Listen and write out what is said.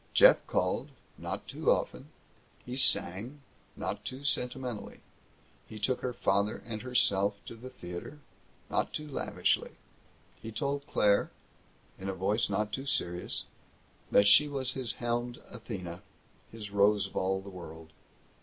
Jeff called not too often. He sang not too sentimentally. He took her father and herself to the theater not too lavishly. He told Claire in a voice not too serious that she was his helmed Athena, his rose of all the world.